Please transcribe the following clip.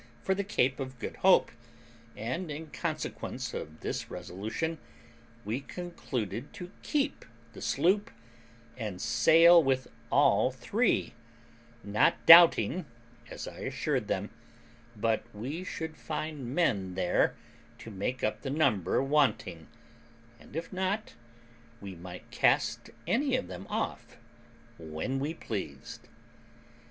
for the Cape of Good Hope; and, in consequence of this resolution, we concluded to keep the sloop, and sail with all three, not doubting, as I assured them, but we should find men there to make up the number wanting, and if not, we might cast any of them off when we pleased.